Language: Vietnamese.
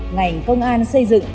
ngành công an xây dựng